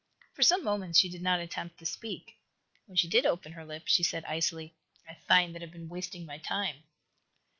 For some moments she did not attempt to speak. When she did open her lips she said, icily: "I find that I have been wasting my time."